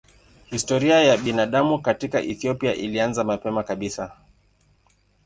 Historia ya binadamu katika Ethiopia ilianza mapema kabisa.